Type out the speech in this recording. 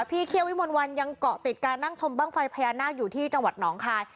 เคี่ยววิมนต์วันยังเกาะติดการนั่งชมบ้างไฟพญานาคอยู่ที่จังหวัดหนองคาย